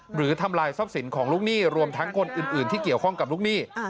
หรือทำลายทรัพย์สินของลูกหนี้รวมทั้งคนอื่นที่เกี่ยวข้องกับลูกหนี้